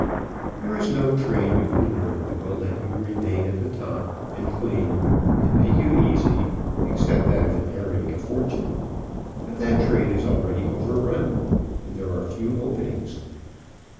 There is no trade you can learn that will let you remain at the top, and clean, and make you easy, except that of inheriting a fortune, but that trade is already overrun, and there are few openings.